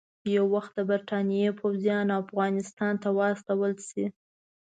یو وخت د برټانیې پوځیان افغانستان ته واستول شي.